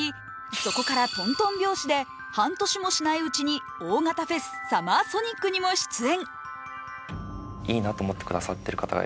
そこからトントン拍子で半年もしないうちに大型フェス、サマーソニックにも出演。